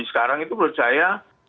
sekarang itu menurut saya